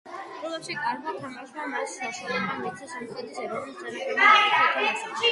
კლუბში კარგმა თამაშმა მას საშუალება მისცა სომხეთის ეროვნულ საფეხბურთო ნაკრებში ეთამაშა.